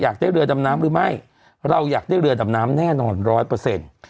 อยากได้เรือดำน้ำหรือไม่เราอยากได้เรือดำน้ำแน่นอนร้อยเปอร์เซ็นต์